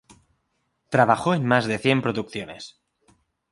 Trabajó en más de cien producciones.